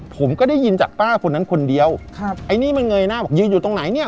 ผมก็ได้ยินจากป้าคนนั้นคนเดียวครับไอ้นี่มันเงยหน้าบอกยืนอยู่ตรงไหนเนี่ย